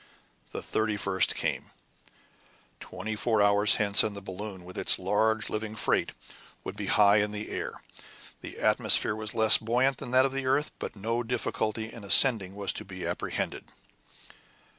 The 31st came. Twenty four hours hence and the balloon, with its large living freight, would be high in the air. The atmosphere was less buoyant than that of the earth, but no difficulty in ascending was to be apprehended.